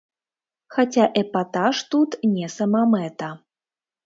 Хаця эпатаж тут не самамэта.